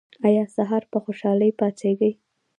ایا سهار په خوشحالۍ پاڅیږئ؟